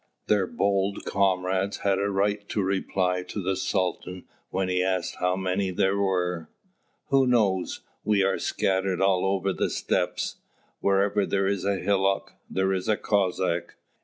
Their bold comrades had a right to reply to the Sultan when he asked how many they were, "Who knows? We are scattered all over the steppes; wherever there is a hillock, there is a Cossack."